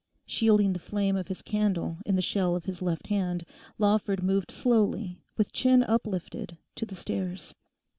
Shielding the flame of his candle in the shell of his left hand, Lawford moved slowly, with chin uplifted, to the stairs.